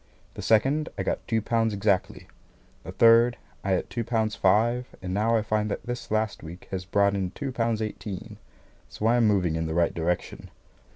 The second, I got two pounds exactly. The third, I had two pounds five, and now I find that this last week has brought in two pounds eighteen; so I am moving in the right direction.